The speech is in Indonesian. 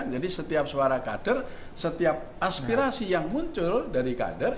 jadi setiap suara kader setiap aspirasi yang muncul dari kader